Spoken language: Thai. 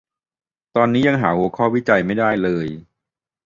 ตอนนี้ยังหาหัวข้อวิจัยไม่ได้เลย